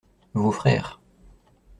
Vos frères.